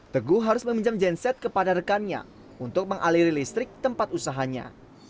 teguh harus meminjam genset kepada rekannya untuk mengaliri listrik tempat usahanya